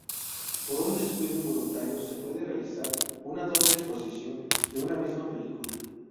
Por un descuido involuntario, se puede realizar una doble exposición en una misma película.